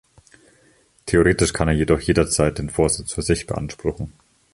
Theoretisch kann er jedoch jederzeit den Vorsitz für sich beanspruchen.